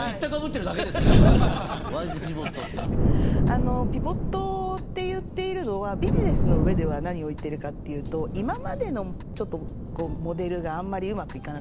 あのピボットって言っているのはビジネスの上では何を言っているかっていうと今までのモデルがあんまりうまくいかなくなっちゃう。